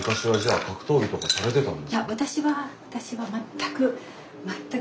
いや私は私は全く。